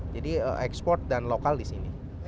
jadi eksport dan lokal di sini